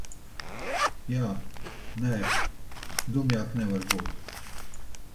Jā, nē. Dumjāk nevar būt.